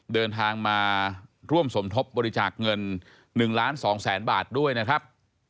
เดินทางมาร่วมสมทบบริจาคเงิน๑ล้าน๒แสนบาทด้วยนะครับ